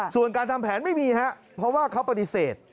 ส่วนการทำแผนไม่มีครับเพราะว่าเขาปฏิเสธ